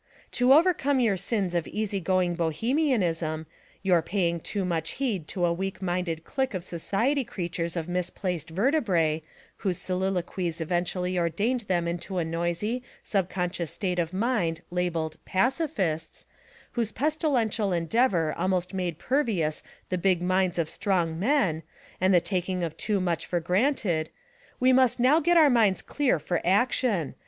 To overcome your sins of easy going bohemianism, your paying too much heed to a weak minded clique of society creatures of misplaced vertebrae, whose soliloquies eventually ordained them into a noisy, subconscious state of mind labelled "pacifists," whose pestilential endeavor almost made pervious the big minds of strong men, and the taking of too much for granted, we must now get our minds clear for action; v.